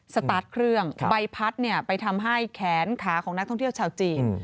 สตาร์ทเครื่องใบพัดไปทำให้แขนขาของนักท่องเที่ยวชาวจีน